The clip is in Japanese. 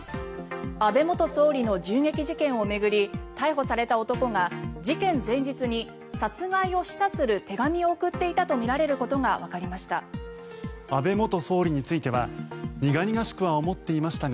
安倍元総理の銃撃事件を巡り逮捕された男が事件前日に殺害を示唆する手紙を送っていたとみられることがわかりました。